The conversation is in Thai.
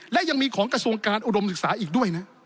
และยังมีของกระทรวงการอุดมศึกษาอีกด้วยนะ